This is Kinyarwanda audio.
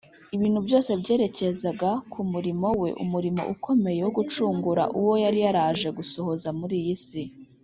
. Ibintu byose byerekezaga ku murimo we, umurimo ukomeye wo gucungura uwo yari yaraje gusohoza muri iyi si